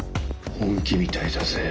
本気みたいだぜ。